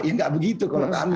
ya nggak begitu kalau kami